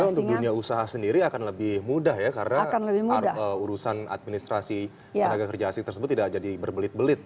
jadi sebenarnya untuk dunia usaha sendiri akan lebih mudah ya karena urusan administrasi tenaga kerja asing tersebut tidak jadi berbelit belit